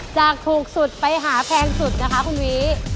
จากถูกสุดไปหาแพงสุดนะคะคุณวี